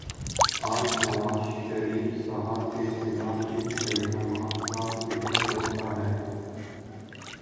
آج نوازشریف صاحب کے خلاف جن الزامات کا ذکر ہوتا ہے،